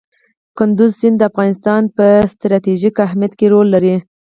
کندز سیند د افغانستان په ستراتیژیک اهمیت کې رول لري.